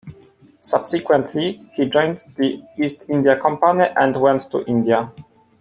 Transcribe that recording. Subsequently he joined the East India Company and went to India.